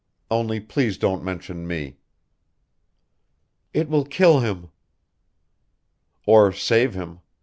only please don't mention me." "It will kill him...." "Or save him.